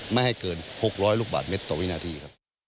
ไม่ให้เกิน๖๐๐ลูกบาทเมตรต่อวินาทีครับ